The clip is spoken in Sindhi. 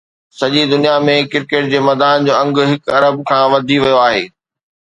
سڄي دنيا ۾ ڪرڪيٽ جي مداحن جو انگ هڪ ارب کان وڌي ويو آهي